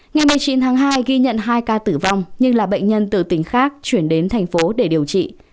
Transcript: ngày một mươi chín tháng hai ghi nhận hai ca tử vong nhưng là bệnh nhân từ tỉnh khác chuyển đến thành phố để điều trị